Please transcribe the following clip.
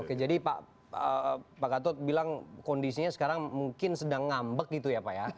oke jadi pak gatot bilang kondisinya sekarang mungkin sedang ngambek gitu ya pak ya